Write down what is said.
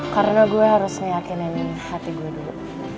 karena gue harus nyakinin hati gue dulu